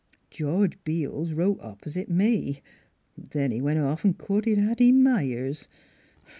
George Beels wrote opp'site me; but then he went off an* courted Hattie Myers.